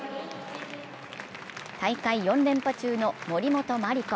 大会４連覇中の森本麻里子。